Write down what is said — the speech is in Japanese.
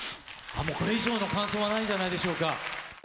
これ以上の感想はないんじゃないでしょうか。